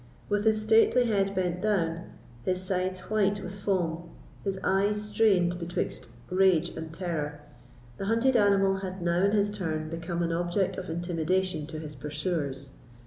With his stately head bent down, his sides white with foam, his eyes strained betwixt rage and terror, the hunted animal had now in his turn become an object of intimidation to his pursuers.